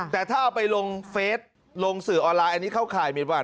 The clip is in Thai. แต่ถ้าเอาไปลงเฟสลงสื่อออนไลน์อันนี้เข้าข่ายมินว่า